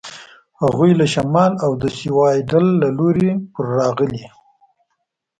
هغوی له شمال او د سیوایډل له لوري پر راغلي.